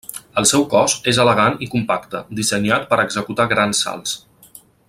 El seu cos és elegant i compacte, dissenyat per executar grans salts.